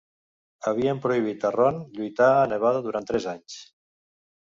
Havien prohibit a Rone lluitar a Nevada durant tres anys.